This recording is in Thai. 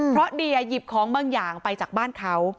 เพราะเดียหยิบของบางอย่างไปจากบ้านเขา